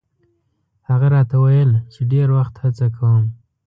هغه راته ویل چې ډېر وخت هڅه کوم.